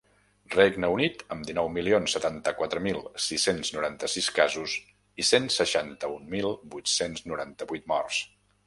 Regne Unit, amb dinou milions setanta-quatre mil sis-cents noranta-sis casos i cent seixanta-un mil vuit-cents noranta-vuit morts.